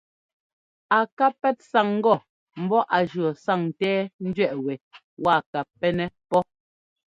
A ká pɛ́t sáŋ ŋgɔ ḿbɔ́ á jʉɔ́ sáŋńtɛ́ɛńdẅɛꞌ wɛ waa ka pɛ́nɛ́ pɔ́.